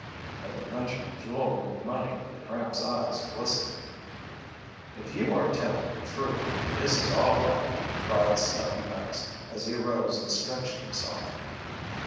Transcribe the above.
At the mention of jewelry and money the tramps' eyes glistened. "If you are tellin' de truth, dis is all right," cried Stumpy Nuggs, as he arose and stretched himself.